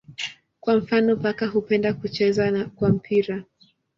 Kwa mfano paka hupenda kucheza kwa mpira.